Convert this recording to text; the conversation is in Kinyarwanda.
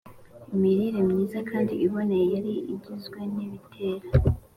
imirire myiza kandi iboneye ari igizwe n’ibitera